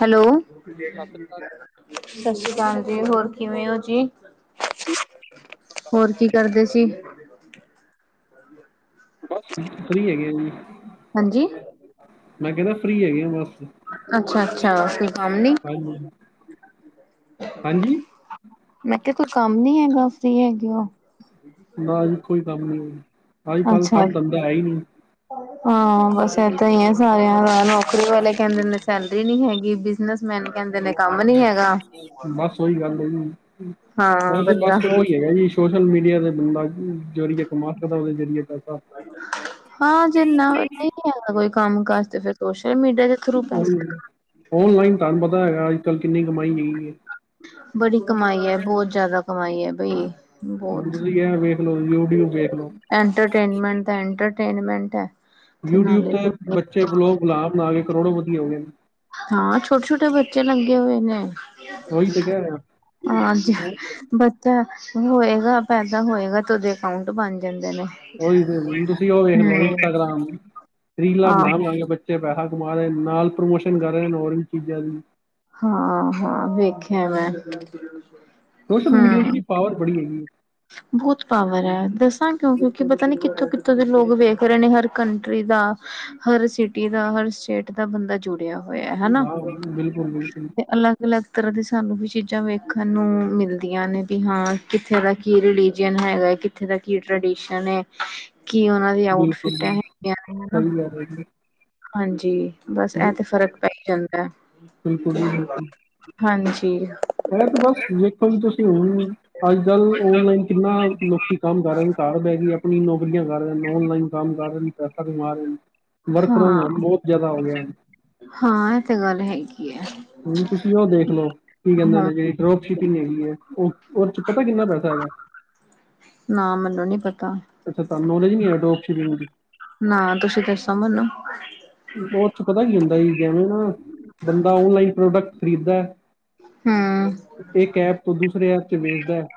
Hello, ਸਤਿ ਸ੍ਰੀ ਅਕਾਲ ਸਤਿ ਸ੍ਰੀ ਅਕਾਲ ਜੀ। ਹੋਰ ਕਿਵੇਂ ਹੋ ਜੀ? ਜੀ ਦੱਸੋ ਕਾਰ ਹੋਰ ਕੀ ਕਰਦੇ ਸੀ? ਬਸ ਫਰੀ ਹੈਗੇ ਆ ਜੀ। ਹਾਂਜੀ। ਮੈਂ ਕਹਿੰਦਾ ਫਰੀ ਹੈਗੇ ਆ। ਬਸ। ਅੱਛਾ- ਅੱਛਾ। ਕੰਮ ਨੀ ਹਾਂਜੀ। ਹਾਂਜੀ ਮੈਂ ਕਿਹਾ, ਕੋਈ ਕੰਮ ਨੀ ਹੈਗਾ। ਫਰੀ ਹੈਗੇ। ਉਹ ਨਾ ਜੀ ਕੋਈ ਕੰਮ ਨੀ। ਅੱਜ ਕੱਲ ਅੱਛਾ ਕੰਮ- ਧੰਦਾ ਹੈ ਹੀ ਨਹੀਂ। ਹਾਂ, ਬਸ ਏਦਾਂ ਹੀ ਆ ਸਾਰਿਆਂ ਦਾ ਨੌਕਰੀ ਵਾਲੇ ਕਹਿੰਦੇ ਨੇ ਸੈਲਰੀ ਨੀ ਹੈਗੀ। ਬਿਜਨਸਮੈਨ ਕਹਿੰਦੇ ਨੇ ਕੰਮ ਨੀ ਹੈਗਾ। ਬਸ ਉਹੀ ਗੱਲ ਹੈ ਜੀ ਹਾਂ ਨਹੀਂ ਜੀ ਬੰਦਾ ਬਸ ਉਹੀ ਹੈਗਾ ਜੀ। [inaudible] ਹਾਂ ਜਿੰਨਾ ਨਹੀਂ ਆਦਾ ਕੋਈ ਕੰਮ ਕਾਜ ਤੇ ਫਿਰ ਸੋਸ਼ਲ ਮੀਡੀਆ ਚ' ਔਨਲਾਈਨ ਤੁਹਾਨੂੰ ਪਤਾ ਹੈਗਾ ਅੱਜ ਕੱਲ ਕਿੰਨੀ ਕਮਾਈ ਹੈਗੀ ਹੈ। ਬੜੀ ਕਮਾਈ ਹੈ ਬਹੁਤ ਜਿਆਦਾ ਕਮਾਈ ਹੈ ਬਈ। ਹੁਣ ਬਹੁਤ ਤੁਸੀਂ ਇਹ ਵੇਖ ਲਓ ਯੂਟਿਊਬ ਵੇਖ ਲਓ ਐਟਰਟੇਨਮੈਂਟ ਦਾ ਐਟਰਟੇਨਮੈਂਟ ਹੈ। ਯੂਟਿਊਬ ਤੇ ਬੱਚੇ ਵਲੋਗ ਬਣਾ- ਬਣਾ ਕੇ ਕਰੋੜਾ ਪਤੀ ਹੋ ਗਏ ਨੇ। ਹਾਂ, ਛੋਟੇ- ਛੋਟੇ ਬੱਚੇ ਲੱਗੇ ਹੋਏ ਨੇ। ਉਹੀ ਤੇ ਕਹਿ ਰਿਹਾ ਹਾਂ, ਅਸੀਂ ਬੱਚਾ ਹੋਏਗਾ। ਪੈਦਾ ਹੋਏਗਾ ਤੇ ਉਹਦੇ ਅਕਾਊਂਟ ਬਣ ਜਾਂਦੇ ਨੇ। ਉਹੀ ਹੁਣ ਤੁਸੀਂ ਉਹ ਵੇਖ ਲੋ ਹਮ ਇੰਸਟਾਗ੍ਰਾਮ। ਰੀਲਾਂ ਆਹੋ ਬਣਾ ਬਣਾ ਕੇ ਬੱਚੇ ਤੇੇ ਪੈਸਾ ਕਮਾ ਰਹੇ ਨਾਲ ਪ੍ਰਮੋਸ਼ਨ ਕਰ ਰਹੇ ਨੇ ਹੋਰ ਚੀਜ਼ਾਂ ਦੀ। ਹਾਂ- ਹਾਂ ਵੇਖਿਆ ਮੈਂ। ਸੋਸ਼ਲ ਮੀਡੀਆ ਚ' ਵੀ ਹਮ। ਪਾਵਰ ਬੜੀ ਹੈਗੀ। ਬਹੁਤ ਪਾਵਰ ਹੈ। ਦੱਸਾਂ ਕਿਉਂ, ਕਿਉਂਕਿ ਪਤਾ ਨੀ ਕਿੱਥੋਂ- ਕਿੱਥੋਂ ਦੇ ਲੋਕ ਵੇਖ ਰਹੇ ਨੇ ਹਰ ਕੰਟਰੀ ਦਾ ਹਰ ਸਿਟੀ ਦਾ, ਹਰ ਸਟੇਟ ਦਾ ਬੰਦਾ ਜੁੜਿਆ ਹੋਇਆ ਹਨਾ। ਹਾਂ ਬਿਲਕੁਲ- ਬਿਲਕੁਲ। ਅਲੱਗ -ਅਲੱਗ ਤਰ੍ਹਾਂ ਦੀ ਸਾਨੂੰ ਵੀ ਚੀਜ਼ਾਂ ਵੇਖਣ ਨੂੰ ਮਿਲਦੀਆਂ ਨੇ ਵੀ ਹਾਂ। ਕਿੱਥੇ ਦਾ ਕੀ ਰਿਲੀਜਨ ਹੈਗਾ ਹੈ। ਕਿੱਥੇ ਦਾ ਕੀ ਟ੍ਰਡੀਸ਼ਨ ਹੈ। ਕੀ ਉਹਨਾ ਏ ਬਿਲਕੁਲ ਆਊਟਫਿਟ ਜੀ ਹੇਗੀਆ ਨੇ ਨਾ। ਸਹੀ ਕਹਿ ਰਹੇ ਜੀ ਹਾਂਜੀ। ਬਸ ਇਹ ਹਮ, ਤੇ ਫ਼ਰਕ ਪੈ ਹੀ ਜਾਂਦਾ। ਬਿਲਕੁਲ ਜੀ ਬਿਲਕੁਲ ਹਾਂਜੀ ਇਹ ਤੇ ਬਸ [unintelligible] ਅੱਜ ਕੱਲ ਔਨਲਾਈਨ ਕਿੰਨਾ ਲੋਕੀ ਕੰਮ ਕਰ ਰਹੇ ਹਨ ਘਰ ਬਹਿ ਕੇ ਹੀ ਆਪਣੀ ਨੌਕਰੀਆਂ ਕਰ ਰਹੇ ਨੇ ਔਨਲਾਈਨ ਕੰਮ ਕਰ ਰਹੇ। ਪੈਸਾ ਵੀ ਕਮਾ ਰਹੇ ਹਨ ਵਰਕ ਫਰੋਮ ਹਾਂ। ਹੋਮ ਬਹੁਤ ਜਿਆਦਾ ਹੋ ਗਿਆ ਨੇ ਹਾਂ ਇਹ ਤੇ ਗੱਲ ਹੈਗੀ ਏ ਹ ਤੁਸੀਂ ਉਹ ਦੇਖਲਓ, ਕੀ ਕਹਿੰਦੇ ਜਿਹੜੀ ਡਰੋਪ ਸ਼ਿਪਿੰਗ ਹੈਗੀ ਹੈ। ਉਹ ਚ' ਪਤਾ ਕਿੰਨਾ ਪੈਸਾ ਹੈਗਾ। ਨਾ ਮੈਨੂੰ ਨੀ ਪਤਾ ਅੱਛਾ ਤੁਹਾਨੂੰ ਨੋਲੇਜ ਨਹੀਂ ਹੈ ਅਡੋਪਟ ਸ਼ਰਿੰਗ ਦੀ ਨਾ ਤੁਸੀਂ ਦੱਸੋ ਮੈਨੂੰ ਉਹ ਚ ਪਤਾ ਕੀ ਹੁੰਦਾ ਇ ਜਿਵੇਂ ਨਾ ਬੰਦਾ ਔਨਲਾਈਨ ਪ੍ਰੋਡਕਟ ਖਰੀਦ ਏ ਹੂੰ ਇੱਕ ਐਪ ਤੋਂ ਦੂਸਰੇ ਐਪ ਚ ਵੇਚਦਾ ਹੈ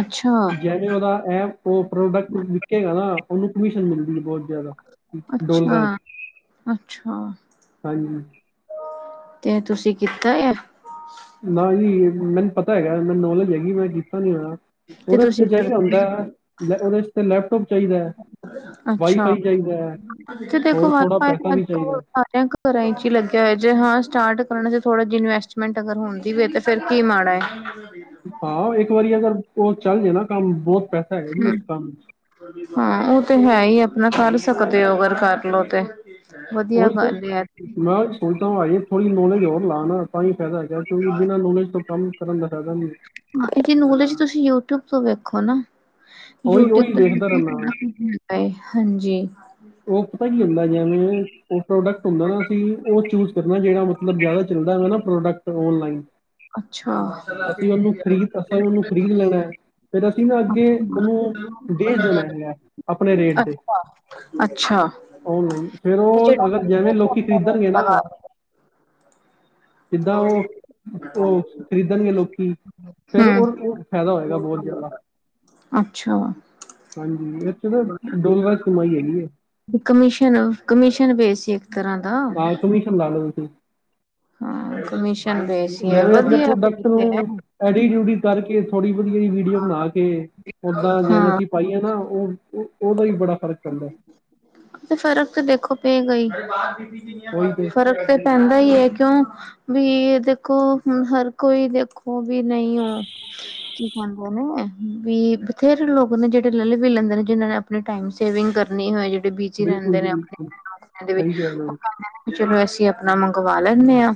ਅੱਛਾ। ਜੈ ਜਿਵੇਂ ਉਹਦਾ ਐ ਉਹ ਪ੍ਰੋਡਕਟ ਰੁੱਕੇਗਾ ਨਾ ਉਹਨੂੰ ਕਮਿਸ਼ਨ ਮਿਲਦੀ ਏ ਬਹੁਤ ਜ਼ਿਆਦਾ ਡੋਲਰਾਂ ਚ ਅੱਛਾ-ਅੱਛਾ। ਹਾਂਜੀ ਤੇ ਏ ਤੁਸੀਂ ਕੀਤਾ ਆ ਨਾ ਜੀ ਮੈਨੂੰ ਪਤਾ ਹੈਗਾ ਮੈਨੂੰ ਨੌਲੇਜ ਹੈਗੀ ਮੈਂ ਕੀਤਾ ਨੀ ਹੋਇਆ ਤੇ ਉਹਦੇ ਤੁਸੀਂ ਤਜਰੀਆ ਹੁੰਦਾ ਕਰਦੇ ਹੈ ਲੈ ਉਹਦੇ ਤੇ ਲੈਪਟੋਪ ਚਾਹੀਦਾ ਹੈ। ਅੱਛਾ। ਵਾਈਫਾਈ ਚਾਹੀਦਾ ਹੈ ਹੋਰ ਥੋੜਾ ਪੈਸਾ ਵੀ ਚਾਹੀਦਾ ਹੈ। ਬੈਂਕ ਘਰਾਂ ਚ ਹੀ ਲੱਗਿਆ ਹੋਇਆ ਜੇ ਹਾਂ ਸਟਾਰਟ ਕਰਨ ਚ ਥੋੜਾ ਜ ਇਨਵੈਸਟਮੈਂਟ ਅਗਰ ਹੁੰਦੀ ਵੇ ਤੇ ਫਿਰ ਕੀ ਮਾਡਾ ਹੈ। ਹਾਂ ਇੱਕ ਵਾਰੀ ਅਗਰ ਉਹ ਚੱਲ ਜੇ ਨਾ ਕੰਮ ਬਹੁਤ ਪੈਸਾ ਹੈਗਾ ਜੀ ਉਸ ਹਮ ਕੰਮ ਚ ਹਾਂ ਉਹ ਤੇ ਹੈ ਹੀ ਆਪਣਾ ਕਰ ਸਕਦੇ ਹੋ ਅਗਰ ਕਰਲੋ ਤੇ ਵਧੀਆ ਬਣ ਰਿਹਾ ਹੁਣ ਤਾਂ ਬਾਈ ਥੋੜੀ ਨੋਲੇਜ ਹੋਣ ਤਾਂ ਨਾ ਤਾਂ ਹੀ ਫਾਇਦਾ ਹੈਗਾ ਕਿਉਂਕਿ ਬਿਨਾਂ ਨੌਲੇਜ ਤੋਂ ਕੰਮ ਕਰਨ ਦਾ ਫਾਇਦਾ ਨਹੀਂ ਏ ਹਾਂਜੀ ਉਹਦੇ ਚ ਤੁਸੀਂ ਯੂਟੀਊਬ ਤੋਂ ਵੇਖੋ ਨਾ ਉਹੀ ਉਹੀ ਦੇਖਦਾ ਰਹਿੰਦਾ ਮੈਂ [unintelligible] ਓਪਨ ਹੀ ਹੁੰਦਾ ਜੇ ਮੈ ਉਹ ਪ੍ਰੋਡਕਟ ਹੁੰਦਾ ਨਾ ਅਸੀਂ ਉਹ ਚੂਜ ਕਰਨਾ ਜਿਹੜਾ ਮਤਲਬ ਜ਼ਿਆਦਾ ਚੱਲਦਾ ਹੈ ਨਾ ਪ੍ਰੋਡਕਟ ਔਨਲਾਈਨ ਅੱਛਾ ਅਸੀਂ ਓਨੂੰ ਖ਼ਰੀਦ ਅਸਾ ਉਹਨੂੰ ਖ਼ਰੀਦ ਲੈਣਾ ਹੈ। ਫਿਰ ਅਸੀਂ ਨਾ ਅੱਗੇ ਉਹਨੂੰ ਬੇਚ ਦੇਣਾ ਹੈਗਾ ਆਪਣੇ ਰੇਟ ਤੇ ਅੱਛਾ ਅੱਛਾ। ਔਨਲਾਈਨ ਫਿਰ ਤੇ ਜਿਹੜਾ ਉਹ ਅਗਰ ਮਰਜ਼ੀ ਜਿਵੇਂ ਅਸੀਂ ਲੋਕੀ ਆਪਣਾ ਖ਼ਰੀਦਣਗੇ ਰੇਟ ਨਾ ਲਗਾ ਲਓ ਜਿੱਦਾਂ ਉਹ ਉਹ ਖ਼ਰੀਦਣ ਗੇ ਲੋਕੀ ਫਿਰ ਹਮ ਉਹਨਾਂ ਨੂੰ ਫ਼ਾਇਦਾ ਹੋਏਗਾ ਬਹੁਤ ਜ਼ਿਆਦਾ ਅੱਛਾ। ਹਾਂਜੀ ਇਚ ਨਾ ਦੁਗਣਾ ਚ ਕਮਾਈ ਹੈਗੀ ਹੈ। ਕਮਿਸ਼ਨ ਕਮਿਸ਼ਨ ਬੇਸ ਇੱਕ ਤਰ੍ਹਾਂ ਦਾ [unintelligible] ਹਾਂ ਕਮਿਸ਼ਨ ਬੇਸ ਉਹ ਹੀ ਹੈ ਜਿਵੇਂ ਆਪਣੇ ਵਧੀਆ ਫਿਰ ਪ੍ਰੋਡਕਟ ਤੇ ਹੈ। ਨੂੰ ਐਡੀਟ ਉਡਿਤ ਕਰਕੇ ਥੋੜੀ ਵਧੀਆ ਵੀਡੀਓ ਬਣਾ ਕੇ ਉਦਾਂ ਜਿਵੇਂ ਹਾਂ ਅਸੀਂ ਪਾਈਏ ਨਾ ਉਹ ਵੀ ਬੜਾ ਫ਼ਰਕ ਪੈਂਦਾ ਫ਼ਰਕ ਤੇ ਦੇਖੋ ਪਏਗਾ ਹੀ ਉਹੀ ਤਾਂ ਫ਼ਰਕ ਤੇ ਪੈਂਦਾ ਹੀ ਹੈ ਕਿਉਂ ਵੀ ਦੇਖੋ ਹੁਣ ਹਰ ਕੋਈ ਦੇਖੋ ਉਹ ਵੀ ਨਹੀਂ ਓ ਕੀ ਨੇ ਵੀ ਬਥੇਰੇ ਲੋਕ ਨੇ ਜਿਹੜੇ ਲਲ ਵੀ ਲੈਂਦੇ ਨੇ ਜਿਹਨਾਂ ਨੇ ਆਪਣੇ ਟਾਈਮ ਸੇਵਿੰਗ ਕਰਨੀ ਹੋਏ ਜਿਹੜੇ ਬਿਜੀ ਬਿਲਕੁਲ ਰਹਿੰਦੇ ਜੀ ਨੇ ਆਪਣੇ ਬਿਲਕੁਲ ਸਹੀ ਕਹਿ ਰਹੇ ਹੋ [unintelligible] ਚਲੋ ਅਸੀਂ ਆਪਣਾ ਮੰਗਵਾ ਲੈਨੇ ਹਾਂ।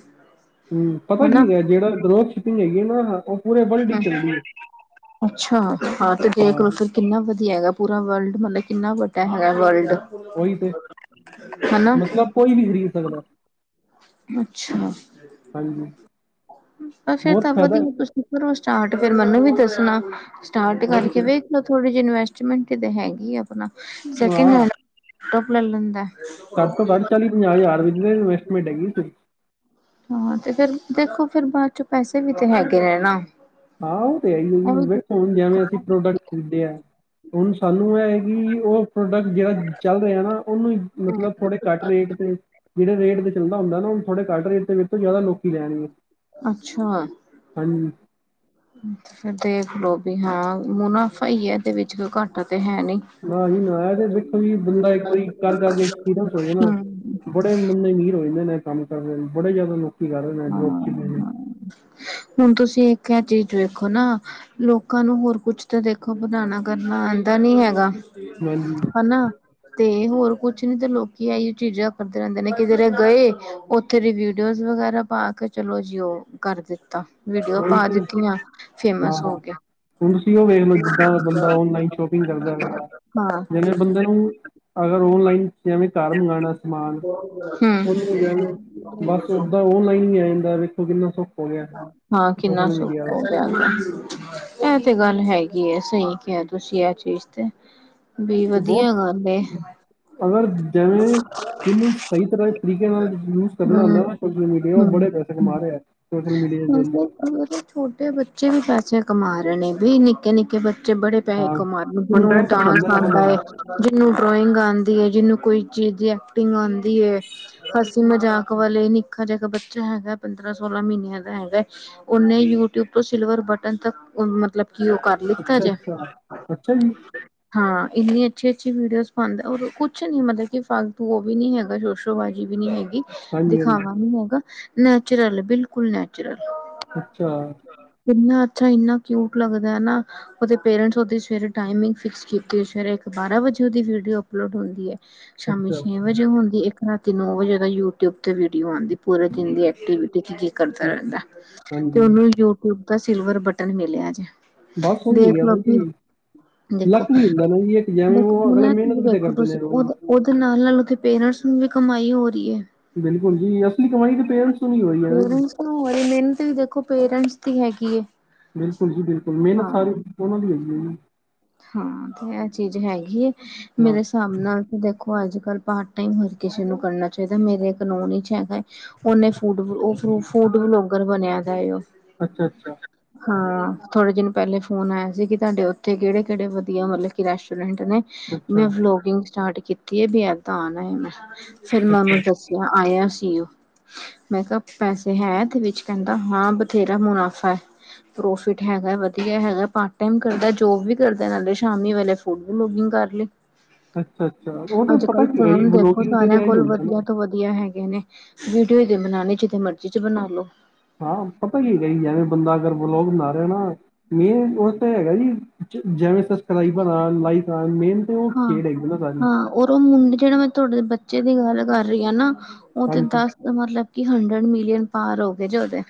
ਹੂ ਪਤਾ ਹਨਾ। ਕੀ ਹੈ ਜਿਹੜਾ ਰੋਜ ਛੁੱਟੀ ਹੈਗੀ ਨਾ ਪੂਰੇ ਵਰਲਡ ਹੀ ਚੱਲਦੀ ਹੈ ਹੂ ਅੱਛਾ ਹਾਂ ਤੇ ਦੇਖ ਲਓ ਫਿਰ ਕਿੰਨਾ ਵਧੀਆ ਹੈਗਾ ਪੂਰਾ ਵਰਲਡ ਮਤਲਬ ਕਿੰਨਾ ਵ ਹੈਗਾ ਵਰਲਡ ਉਹ ਉਹੀ ਤਾਂ ਹੈਨਾ ਮਤਲਬ ਕੋਈ ਵੀ ਖਰੀਦ ਸਕਦਾ। ਅੱਛਾ। ਹਾਂਜੀ ਤਾਂ ਫਿਰ ਬਹੁਤ ਤਾਂ ਫਾਇਦਾ ਹੈ। ਵਧੀਆ ਤੁਸੀਂ ਕਰੋਂ ਸਟਾਰਟ ਫਿਰ ਮੈਨੂੰ ਵੀ ਦੱਸਣਾ ਸਟਾਰਟ ਉਹੀ ਕਰਕੇ ਤਾਂ ਵੇ। ਚਲ ਥੋੜੀ ਜਿਹੀ ਇਨਵੈਸਟਮੈਂਟ ਹੀ ਤਾਂ ਹੈਗੀ ਆ ਆਪਣਾ ਸੈਕਿੰਡ ਹੈਂਡ ਹਾਂ ਲੈਪਟੋਪ ਲੈ ਲੈਂਦਾ। ਘੱਟ ਤੋਂ ਘੱਟ ਚਾਲੀ ਪੰਜਾਹ ਹਜ਼ਾਰ ਵਿੱਚ ਇਨਵੈਸਟਮੈਂਟ ਹੈਗੀ। ਹਾਂ ਤੇ ਫੇਰ ਦੇਖੋ ਫਿਰ ਬਾਅਦ ਚੋਂ ਪੈਸੇ ਵੀ ਤੇ ਹੈਗੇ ਨੇ ਨਾ। ਹਾਂ ਓਤੇ ਹੈਈ ਏ ਹੁਣ ਜਿਵੇਂ ਅਸੀਂ ਪ੍ਰੋਡਕਟ ਖਰੀਦੇਆ ਆ ਹੁਣ ਸਾਨੂੰ ਇਹ ਹੈਕੀ ਉਹ। ਪ੍ਰੋਡਕਟ ਜਿਹੜਾ ਚੱਲ ਰਿਹਾ ਨਾ ਉਹਨੂੰ ਮਤਲਬ ਥੋੜੇ ਘੱਟ ਰੇਟ ਤੇ ਜਿਹੜੇ ਰੇਟ ਤੇ ਚਲਦਾ ਹੁੰਦਾ ਨਾੁ ਥੋੜੇ ਘੱਟ ਰੇਟ ਤੇ ਵੇਚੋ ਜ਼ਿਆ ਲੋਕੀ ਲੈਣਗੇ। ਅੱਛਾ ਹਾਂਜੀ ਫਿਰ ਦੇਖ ਲੋ ਵੀ ਹਾਂ ਮੁਨਾਫ਼ਾ ਹੀ ਹੈ ਇਹਦੇ ਵਿੱਚ ਘਾਟਾ ਤੇ ਹੈ ਨੀ। ਨਾ ਜੀ ਨਾ ਇਹ ਤੇ ਵੇਖੋ ਜੀ ਬੰਦਾ ਇੱਕ ਵਾਰੀ ਕਰ ਕਰਕੇ ਐਕਪੀਰੀਅਂਸ ਹੋ ਜੇ ਨਾ। ਹਮ ਬੜੇ ਬੰਦੇ ਅਮੀਰ ਹੋ ਜਾਂਦੇ ਨੇ ਕੰਮ ਕਰਦੇ ਬੜੇ ਜ਼ਿਆਦਾ ਲੋਕੀ ਕਰ ਰਹੇ ਨੇ ਹਾਂ ਡਰੋਪ ਚ ਨੇ। ਹਾਂ ਹੁਣ ਤੁਸੀਂ ਇੱਕ ਇਹ ਚੀਜ਼ ਵੇਖੋ ਨਾ। ਲੋਕਾਂ ਨੂੰ ਹੋਰ ਕੁਛ ਤਾਂ ਦੇਖੋ ਬਣਾਉਣਾ ਕਰਨਾ ਆਉਂਦਾ ਨੀ ਹੈਗਾ। ਹਾਂਜੀ ਹੈਨਾ ਤੇ ਹੋਰ ਕੁਛ ਨੀ ਤੇ ਲੋਕੀ ਆਹੀ ਚੀਜ਼ਾਂ ਕਰਦੇ ਰਹਿੰਦੇ ਨੇ ਕਿਧਰੇ ਗਏ। ਓਥੇ ਦੀ ਵੀਡੀਓਜ਼ ਵਗੈਰਾ ਪਾ ਕੇ ਚਲੋ ਜੀ ਓ ਕਰ ਦਿੱਤਾ। ਵੀਡੀਓ ਉਹੀ ਪਾ ਤੇ ਦਿੱਤੀਆਂ ਹਾਂ ਫੇਮਸ ਹੋ ਹਾਂ ਗਿਆ। ਹੁਣ ਤੁਸੀਂ ਉਹ ਵੇਖ ਲੋ ਜਿੱਦਾਂ ਬੰਦਾ ਓਨਲਾਈਨ ਸ਼ੋਪਿੰਗ ਕਰਦਾ ਰਿਹਾ। ਹਾਂ ਜਿਵੇੇ ਬੰਦੇ ਨੂੰ ਅਗਰ ਓਨਲਾਈਨ ਜਿਵੇਂ ਘਰ ਮੰਗਵਾਉਣਾ ਸਮਾਨ। ਹੂੰ ਉਹਨੂੰ ਜਾ ਬਸ ਓਦਾਂ ਓਨਲਾਈਨ ਹੀ ਆ ਜਾਂਦਾ ਵੇਖੋ ਕਿੰਨਾ ਸੌਖਾ ਹਾਂ ਕਿੰਨਾ ਸੁੱਖ ਇਹ ਤੇ ਗੱਲ ਹੈਗੀ ਆ ਸਹੀ ਕਿਹਾ ਤੁਸੀਂ ਇਹ ਚੀਜ਼ ਤੇ ਵੀ ਵਧੀਆ ਬਹੁਤ ਗੱਲ ਏ। ਅਗਰ ਜਿਵੇਂ ਮੈਨੂੰ ਸਹੀ ਤਰ੍ਹਾਂ ਤਰੀਕੇ ਨਾਲ ਯੂਜ ਕਰਨਾ ਹੂੰ ਹੁੰਦਾ ਸੋ ਮੀਡੀਆ ਉਹ ਬੜੇ ਪੈਸੇ ਕਮਾ ਰਹੇ ਹੈ। ਹਾਂਜੀ [inaudible] ਛੋਟੇ ਬੱਚੇ ਵੀ ਪੈਸੇ ਕਮਾ ਰਹੇ ਨੇ ਵੀ ਨਿੱਕੇ-ਨਿੱਕੇ ਬੱਚੇ ਬੜੇ। ਪੈਹੇ ਹਾਂ ਕਮਾਲੋ ਨੂੰ ਜਿਹਨੂੰ ਕੰਟੈਂਟ ਡਾਂਸ ਬਣਾਉਂਦੇ ਨਾ ਆਉਂਦਾ ਹੈ। ਬਣਾਵਾ ਜਿਹਨੂੰ ਡਰੋਇੰਗ ਆਉਂਦੀ ਹੈ ਜਿਹਨੂੰ ਕੋਈ ਚੀਜ਼ ਦੀ ਐਕਟਿੰਗ ਆਉਂਦੀ ਹੈ। ਹਾਸੀ ਮਜ਼ਾਕ ਵਾਲੇ ਨਿੱਕਾ ਜਿਹਾ ਬੱਚਾ ਹੈਗਾ ਪੰਦਰਾਂ ਸੋਲਾਂ ਮਹੀਨੇ। ਹੈਗਾ ਉਹਨੇ ਯੂਟਿਊਬ ਤੋਂ ਸਿਲਵਰ ਬਟਨ ਤੱਕ ਮਤਲਬ ਕੀ ਉਹ ਕਰ। ਲਿੱਤਾ ਜੇ ਅੱਛਾ-ਅੱਛਾ-ਅੱਛਾ ਜੀ ਹਾਂ ਇੰਨੀ ਅੱਛੀ-ਅੱਛੀ ਵੀਡੀਓਜ਼ ਪਾਉਂਦਾ ਕੁਛ ਨੀ ਮਤਲਬ ਕਿ ਫਾਲਤੂ ਉਹ ਵੀ ਨੀ ਹੈਗਾ। ਸ਼ੋ ਬਾਜ਼ੀ ਵੀ ਨੀ ਹੈਗੀ ਹਾਂਜੀ ਹਾਂਜੀ ਦਿਖਾਵਾ ਨੀ ਹੈਗਾ। ਨੈਚੁਰਲ ਬਿਲਕੁਲ ਨੈਚੁਰਲ ਅੱਛਾ ਕਿੰਨਾ ਅੱਛਾ ਇੰਨਾ ਕਿਊਟ ਲੱਗਦਾ ਹੈ ਨਾ। ਉਹਦੇ ਪੇਰੈਂਟਸ ਉਹਦੀ ਸਵੇਰੇ ਟਮਿੰਗ ਫਿਕਸ ਕੀਤੀ ਹੋਈ। ਸਵੇਰੇ ਬਾਰਾਂ ਵਜੇ ਉਹਦੀ ਵੀਡੀਓ ਅਪਲੋਡ ਹੁੰਦੀ ਹੈ। ਸ਼ਾਮੀ ਅੱਛਾ ਛੇ ਵਜੇ ਹੁੰਦੀ ਇੱਕ ਰਾਤੀ ਨੋ ਵਜੇ ਦਾ ਯੂਟਿਊਬ ਤੇ ਵੀਡੀਓ ਆਉਂਦੀ। ਪੂਰੇ ਦਿਨ ਦੀ ਐਕਟੀਵਿਟੀ ਚ ਜੋ ਕਰਦਾ ਰਹਿੰਦਾ। ਤੇ ਹਾਂਜੀ ਉਹਨੂੰ ਯੂਟਿਊਬ ਦਾ ਸਿਲਵਰ ਬਟਨ ਮਿਲਿਆ ਜੇ। ਬਸ ਉਹੀ ਦੇਖ ਮਿਲਿਆ ਵਾ ਲਓ ਜੀ। ਵੀ ਦੇਖੋ ਲੱਕ ਵੀ ਹੁੰਦਾ ਨਾ ਜਿਵੇਂ, ਦੇਖ ਉਹ ਅਗਲੇ ਉਹਨਾਂ ਚੀਜ਼ ਮਿਹਨਤ ਵੀ ਤਾਂ ਵੇਖੋ ਕਰਦੇ ਨੇ ਤੁਸੀਂ ਰੋਜ਼। ਉਹਦੇ ਉਹਦੇ ਨਾਲ-ਨਾਲ ਉਥੇ ਪੇਰੈਂਟਸ ਨੂੰ ਵੀ ਕਮਾਈ ਹੋ ਰਹੀ ਹੈ। ਬਿਲਕੁਲ ਜੀ, ਅਸਲੀ ਕਮਾਈ ਤੇ ਪੇਰੈਂਟਸ ਨੂੰ ਹੋ ਰਹੀ ਹੈ। ਹੋਰ ਮਿਹਨਤ ਵੀ ਦੇਖੋ ਪੇਰੈਂਟਸ ਦੀ ਹੈਗੀ ਏ। ਬਿਲਕੁਲ ਜੀ ਬਿਲਕੁਲ, ਮਿਹਨਤ ਸਾਰੀ ਉਹਨਾਂ ਦੀ ਹੈਗੀ ਹੈ ਜੀ। ਹਾਂ ਤੇ ਇਹ ਚੀਜ਼ ਹੈਗੀ ਐ, ਮੇਰੇ ਬਸ। ਹਿਸਾਬ ਮੈਂ ਵੀ ਦੇਖੋ ਅੱਜ-ਕੱਲ ਪਾਰਟ ਟਾਈਮ ਹਰ ਕਿਸੇ ਨੂੰ ਕਰਨਾ ਚਾਹੀਦਾ, ਮੇਰੇ ਇੱਕ ਨੋਲੈਜ ਚ ਹੈਗਾ ਹੈ। ਉਹਨੇ, ਔ ਫੂਡ-ਫੂਡ ਵਲੋਗਰ ਬਣਿਆ ਦਾ ਐ, ਉਹ ਅੱਛਾ-ਅੱਛਾ, ਹਾਂ ਥੋੜੇ ਦਿਨ ਪਹਿਲੇ ਫੋਨ ਆਇਆ ਸੀ, ਕਿ ਤੁਹਾਡੇ ਉੱਥੇ ਕਿਹੜੇ ਕਿਹੜੇ ਵਧੀਆ ਵਾਲੇ, ਕਿ ਰੈਸਟੋਰੈਂਟ ਨੇ ਅੱਛਾ, ਮੈਂ ਵਲੋਗਿੰਗ ਸਟਾਰਟ ਕੀਤੀ ਹੈ, ਵੀ ਏਦਾਂ ਆਣਾ ਹੈ, ਮੈਂ ਫਿਰ ਮੈ ਔਨੂੰ ਅੱਛਾ, ਦ ਔ ਆਇਆ ਸੀ ਉਹ, ਮੈਂ ਕਿਹਾ ਪੈਸੇ ਹੈ ਐਦੇ ਵਿੱਚ, ਕਹਿੰਦਾ ਹਾਂ, ਬਥੇਰਾ ਮੁਨਾਫ਼ਾ ਹੈ। ਪ੍ਰੋਫਿਟ ਹੈਗਾ ਵਧੀਆ ਹੈਗਾ, ਪਾਰਟ ਟਾਈਮ ਕਰਦਾ ਜੋਬ ਵੀ। ਕਰਦਾ, ਨਾਲੇ ਸ਼ਾਮੀ ਵੇਲੇ ਫੂਡ ਵਲੋਗਿੰਗ ਕਰ ਲਈ। ਅੱਛਾ-ਅੱਛਾ, ਉਹ ਤਾਂ ਅੱਜ ਪਤਾ ਕਲ੍ਹ ਕੀ ਹੈਗਾ ਜੀ ਫੋਨ ਦੇਖੋ, ਵਲੋਗਿੰਗ 'ਚ ਤਾਂ ਸਾਰਿਆਂ ਇਹੀ ਕੋਲ ਹੁੰਦਾ ਨਾ। ਵਧੀਆ ਤੋਂ ਵਧੀਆ ਵਧੀਆ ਹੈਗੇ ਨੇ, ਵੀਡੀਓ ਤੇ ਬਣਾਉਣੇ, ਜਿੱਦੇ ਮਰਜ਼ੀ ਚ ਬਣਾ ਲੋ। ਹਾਂ, ਪਤਾ ਕੀ ਹੈਗਾ ਹੀ, ਐਵੇਂ ਬੰਦਾ ਅਗਰ ਬਲੋਗ ਬਨਾ ਰਿਹਾ ਨਾ ਮੇਨ ਉਹ ਤਾਂ ਹੈਗਾ ਜੀ, ਜਿਵੇਂ ਸਬਸਕ੍ਰਾਈਬਰ ਆਉਣ ਲਾਈਵ ਆਉਣ, ਮੇਨ। ਤੇ ਉਹ ਹਾਂ ਖੇਡ ਹੈਗੀ ਨਾ ਸਾਰੀ, ਹਾਂ, ਔਰ ਉਹ ਮੁੰਡੇ, ਜਿਹੜੇ ਮੈਂ ਤੁਹਾਡੇ ਬੱਚੇ ਦੀ ਗੱਲ ਕਰ ਰਹੀ ਆਂ ਨਾ ਉਹ ਤੇ ਹਾਂਜੀ। ਦੱਸ, ਮਤਲਬ ਕਿ ਹੰਡਰਡ ਮਿਲੀਅਨ ਪਾਰ ਹੋ ਗਏ ਜੇ ਔਦੇ।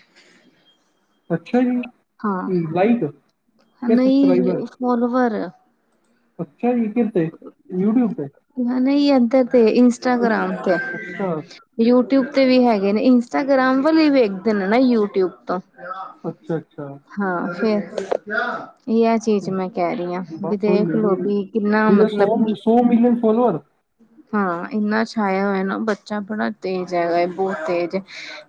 ਅੱਛਾ ਜੀ, ਹਾਂ, ਲਾਈਕ ਕੇ ਨਹੀਂ ਸਬਸਕ੍ਰਾਈਬਰ ਫੋਲੋਵਰ ਅਛਾ ਜੀ, ਕਿਥੇ ਯੂ ਟਊਬ ਤੇ। ਹ ਨਹੀਂ, ਐਦੇ ਤੇ, ਇੰਸਟਾਗ੍ਰਾਮ ਤੇ। ਅੱਛਾ, ਯੂ ਟਊਬ ਤੇ ਵੀ ਹੈਗੇ ਨੇ, ਇੰਸਟਾਗ੍ਰਾਮ ਵਾਲੇ ਵੇਖਦੇ ਨੇ ਨਾ ਯੂ ਟਊਬ ਤੋਂ। ਅੱਛਾ ਅੱਛਾ ਹਾਂ ਫੇਰ, ਇਹ ਹੈ ਚੀਜ਼ ਮੈਂ ਕਹਿ ਰਹੀ ਹਾਂ, ਵੀ ਬਸ ਉਹੀ ਹੈ ਦੇਖ ਲਓ ਜੀ ਵੀ ਕਿੰਨਾ ਜਿਹਦੇ ਸੌ ਮਤਲਬ ਕਿ ਸੌ ਮਿਲੀਅਨ ਫੋਲੋਅਰ ਹਾਂ ਇੰਨਾ ਛਾਇਆ ਹੋਇਆ ਨਾ, ਬੱਚਾ ਬੜਾ ਤੇਜ਼ ਹੈਗਾ ਹੈ, ਬਹੁਤ ਤੇਜ਼ ਹੈ।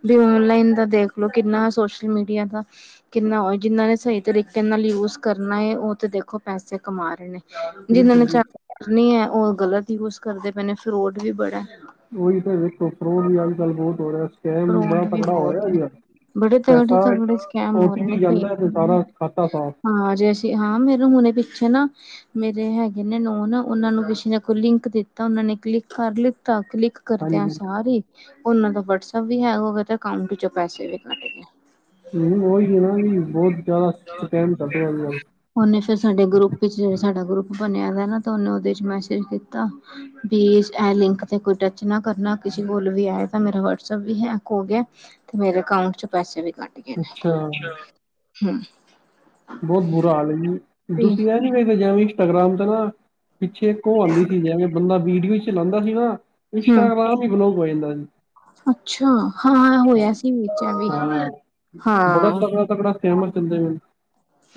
ਵੀ ਔਨਲਾਈਨ ਦਾ ਦੇਖ ਲੋ, ਕਿੰਨਾ ਸੋਸ਼ਲ ਮੀਡੀਆ ਦਾ ਕਿੰਨਾ ਹੋ ਜਿਹਨਾਂ ਨੇ ਸਹੀ ਤਰੀਕੇ ਨਾਲ ਯੂਜ ਕਰਨਾ ਹੈ, ਉਹ ਤੇ ਦੇਖੋ, ਪੈਸੇ ਕਮਾ ਰਹੇ ਨੇ। ਜਿਨਾਂ ਨੇ ਬਿਲਕੁਲ ਚ ਜੀ ਕਰਨੀ ਹੈ, ਉਹ ਗ਼ਲਤ ਯੂਜ ਕਰਦੇ ਪਏ ਨੇ, ਫਰੋਡ ਵੀ ਬੜਾ। ਉਹੀ ਤਾਂ ਵੇਖੋ ਫਰੋਡ ਵੀ ਅੱਜ ਕੱਲ ਬਹੁਤ ਹੋ ਰਿਹਾ, ਸਕੈਮ ਵੀ ਬੜਾ ਫਰੋਡ ਤਗੜਾ ਹੋ ਰਿਹਾ ਬਹੁਤ ਅਜ ਹੈ। ਕੱਲ। ਬੜੇ ਪੈਸਾ ਤਗੜੇ-ਤਗੜੇ ਸਕੈਮ ਓ ਹੋ ਟੀ ਰਹੇ ਨੇ ਪੀ ਚੱਲਦਾ ਹੈ, ਤੇ ਸਾਰਾ ਖਾਤਾ ਸਾਫ਼। ਹਾਂ ਜੇ ਅਸੀਂ ਹਾਂ, ਮੇਰੇੂੰ ਹੁਣੇੇ ਪਿੱਛੇ ਨਾ ਮੇਰੇ ਹੈਗੇ ਨੇ ਨੋਨ, ਉਹਨਾਂ ਨੂੰ ਕਿਸੇ ਨੇ ਲਿੰਕ ਦਿੱਤਾ, ਉਹਨਾਂ ਨੇ ਕਲਿੱਕ ਕਰ ਲਿੱਤਾ, ਕਲਿੱਕ ਕਰਦੇਆਂ ਹਾਂਜੀ ਸਾਰ ਈ, ਉਹਨਾਂ ਦਾ ਵਟਸਐਪ ਵੀ ਹੈ, ਔ ਔਦੇ ਅਕਾਂਟ ਚੋਂ ਪੈਸੇ ਵੀ ਗਏ। ਹੂ, ਉਹੀ ਨਾ ਜੀ, ਬਹੁਤ ਜ਼ਿਆਦਾ ਸਕੈਮ ਕੱਢਿਆ ਉਹਨੇ ਫਿਰ ਸਾਡੇ ਗਰੁੱਪ ਵਿੱਚ, ਜਿਹੜਾ ਸਾਡਾ ਗਰੁੱਪ ਬਣਿਆ ਦਾ ਨਾ, ਉਹਨੇ ਉਹਦੇ ਚ ਮੈਸੇਜ ਕੀਤਾ। ਵੀ ਇਹ ਲਿੰਕ ਤੇ ਕੋਈ ਟੱਚ ਨਾ ਕਰਨਾ, ਕਿਸੇ ਕੋਲ ਵੀ ਆਇ ਤਾਂ, ਮੇਰਾ ਵਟਸਐਪ ਵੀ ਹੈਕ ਹੋ ਗਿਆ। ਤੇ, ਮੇਰੇ ਅਕਾਊਂਟ ਚ ਪੈਸੇ ਵੀੱ ਕੱਢ ਅੱਛਾ, ਹੂੰ, [unintelligible] ਬਹੁਤ ਬੁਰਾ ਹਾਲ ਹੈ ਜੀ, ਹੂੰ ਤੁਸੀਂ ਐ ਨੀ ਵੇਖਦੇ ਇੰਸਟਾਗ੍ਰਾਮ ਤੇ ਨਾ ਪਿੱਛੇ ਇੱਕ ਉਹ ਆਦੀ ਸੀ, ਜਿਵੇਂ ਬੰਦਾ ਵੀਡੀਓ ਚਲਾਦਾ ਸੀ ਨਾ ਹਮ ਇੰਸਟਾਗ੍ਰਾਮ ਹੀ ਬਲੋਕ ਹੋ ਜਾਂਦਾ ਜੀ। ਅੱਛਾ, ਹਾਂ ਹੋਇਆ ਸੀ, ਵਿਚ ਵੀ ਹਾਂ ਹਾਂ ਬੜਾ ਤਗੜਾ ਸਕੈਮਰ ਚੱਲਦੇ ਪਏ ਨ।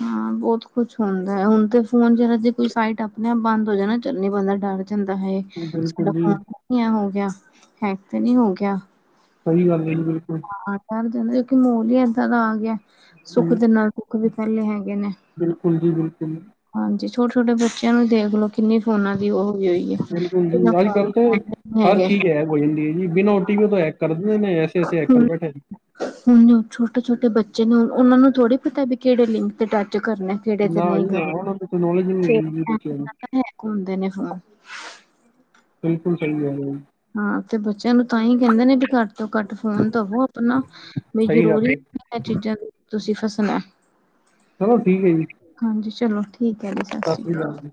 ਹਾਂ ਬਹੁਤ ਕੁੁਛ ਹੋਂਦਾ ਹੈ, ਹੁਣ ਤੇ ਫੋਨ ਜਿਹੜ ਜੇ ਕੋਈ ਸਾਈਟ ਆਪਣੇ ਆਪ ਬੰਦ ਹੋ ਜਾਣਾ ਚੱਲਨੀ, ਬੈਂਦਾ ਡਰ ਜਾਂਦਾ, ਹਾਏ। ਸਾਡਾ ਬਿਲਕੁਲ ਜੀ ਫੋਨ ਹੋ ਗਿਆ, ਹੈਕ ਤੇ ਨਹੀਂ ਹੋ ਗਿਆ ਸਹੀ ਗੱਲ ਹੈ ਜੀ ਬਿਲਕੁਲ ਹਾ ਡਰ ਜਾਂਦਾ, ਕਿ ਮਹੌਲ ਹੀ ਐ ਦਾਦਾਂ ਆ ਗਿਆ ਸੁੱਖ ਹੂੰ ਦੇ ਨਾਲ ਦੁੱਖ ਵੀ ਪਹਿਲੇ ਹੈਗੇ ਨੇ ਬਿਲਕੁਲ ਜੀ ਬਿਲਕੁਲ ਹਾਂਜੀ। ਛੋਟੇ ਛੋਟੇ ਬੱਚਿਆਂ ਨੂੰ ਦੇਖਲੋ ਕਿੰਨੀ ਫੋਨਾ ਦੀ ਉਹ ਹੋਈ ਹੋਈ ਹੈ। ਬਿਲਕੁਲ ਜੀ ਬਿਨਾਂ ਅੱਜਕੱਲ ਤੇ ਫੋਨ ਨੀ ਹਰ ਹੈਗੇ ਚੀਜ਼ ਹੈ ਕੋ ਨਹੀਂ ਜੀ ਬਿਨਾਂ ਓਟੀ ਵੀ ਤੋਂ ਹੈਕ ਕਰਦੇ ਐਸੇ ਐਸੇ ਹੈਕਰ ਹੁਣ ਬੈਠੇ ਹੁਣ ਛੋਟੇ ਛੋਟੇ ਬੱਚੇ ਨੇ ਉਹਨਾਂ ਨੂੰ ਥੋੜ੍ਹੀ ਪਤਾ ਵੀ ਕਿਹੜੇ ਲਿੰਕ ਤੇ ਟੱਚ ਕਰਨੇ ਕਿਹੜੇ ਤੇ ਨਾ ਨਹੀਂ ਜੀ ਨਾ ਕਰਨ ਉਹਨਾਂ ਨੂੰ ਤੇ ਨੌਲੇਜ ਨਹੀਂ ਫਿਰ ਹੈਗੀ ਜੀ ਬੱਚਿਆਂ ਨੂੰ ਘੁੰਮਦੇ ਨੇ ਫੋਨ ਬਿਲਕੁਲ ਸਹੀ ਗੱਲ ਹੈ ਹਾਂ। ਤੇ ਬੱਚਿਆਂ ਨੂੰ ਤਾਂ ਹੀ ਕਹਿੰਦੇ ਨੇ ਵੀ ਘੱਟ ਤੋਂ ਘੱਟ ਫੋਨ ਦਵੋ ਆਪਣਾ ਵੀ ਸਹੀ ਗੱਲ ਜ਼ਰੂਰੀ ਹੈ ਜੀ। ਇਹ ਚੀਜ਼ਾਂ ਦੇ ਤੁਸੀਂ ਫਸਣਾ ਚਲੋ ਠੀਕ ਹੈ ਜੀ ਹਾਂਜੀ। ਚਲੋ ਠੀਕ ਹੈ ਜੀ ਸਤਿ ਸ਼੍ਰੀ ਅਕਾਲ